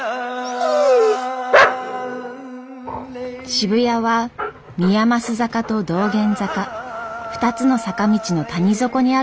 渋谷は宮益坂と道玄坂２つの坂道の谷底にある村でした。